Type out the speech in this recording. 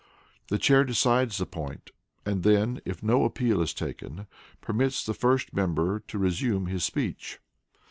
The Chair decides the point, and then, if no appeal is taken, permits the first member to resume his speech.